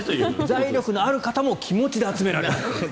財力のある方も気持ちで集められます。